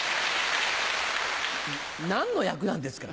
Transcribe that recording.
何の役なんですか？